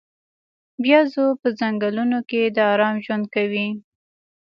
بیزو په ځنګلونو کې د آرام ژوند کوي.